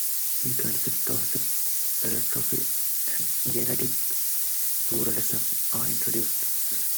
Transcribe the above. The concepts of pleitropy and genetic pluralism are introduced.